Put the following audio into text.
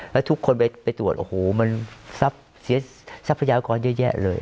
แล้วทุกคนไปตรวจโอ้โหมันทรัพย์เสียทรัพยากรเยอะแยะเลย